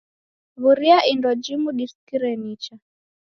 W'uria indo jimu nisikire nicha.